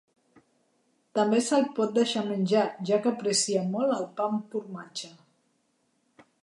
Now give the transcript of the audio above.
També se'l pot deixar menjar, ja que aprecia molt el pa amb formatge.